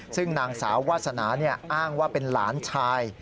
ซึ่งนางสาววาสนาอ้างว่าเป็นหลานชาย